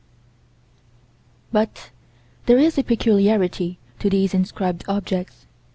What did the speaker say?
But there is a peculiarity to these inscribed objects.